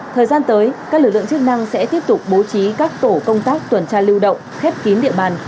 thời gian tới các lực lượng chức năng sẽ tiếp tục bố trí các tổ công tác tuần tra lưu động khép kín địa bàn